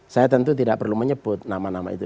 saya tentu tidak perlu menyebut nama nama itu